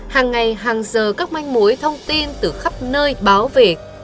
hàng ngày hàng giờ các manh mối thông tin từ khắp nơi báo về